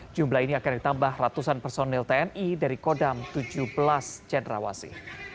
jumlah ini akan ditambah ratusan personil tni dari kodam tujuh belas cendrawasi